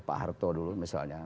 pak harto dulu misalnya